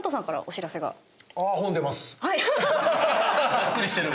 ざっくりしてる。